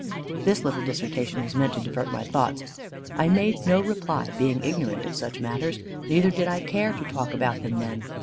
This little dissertation was meant to divert my thoughts. I made no reply, being ignorant of such matters; neither did I care to talk about them then.